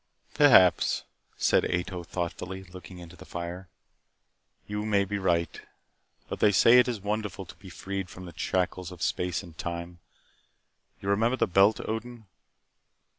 "Perhaps," said Ato thoughtfully, looking into the fire. "You may be right. But they say it is wonderful to be freed from the shackles of space and time. You remember the belt, Odin?